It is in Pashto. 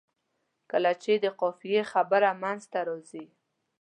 کله چې د قافیې خبره منځته راځي.